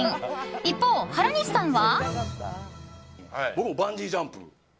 一方、原西さんは。